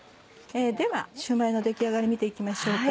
ではシューマイの出来上がり見て行きましょうか。